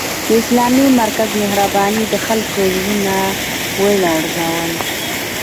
د اسلامي مرکز مهربانۍ د خلکو زړونه ولړزول